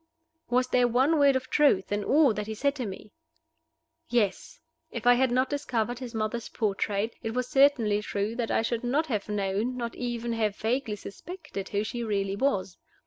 Was there one word of truth in all that he had said to me? Yes! If I had not discovered his mother's portrait, it was certainly true that I should not have known, not even have vaguely suspected, who she really was.